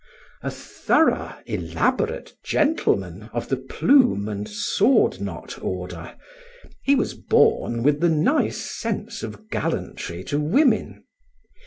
A thorough elaborate gentleman, of the plume and sword knot order, he was born with the nice sense of gallantry to women.